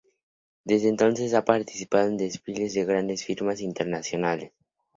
Desde entonces ha participado en desfiles de grandes firmas internacionales.